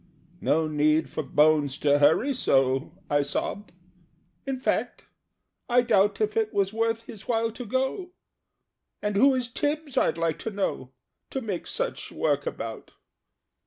"No need for Bones to hurry so!" I sobbed. "In fact, I doubt If it was worth his while to go And who is Tibbs, I'd like to know, To make such work about?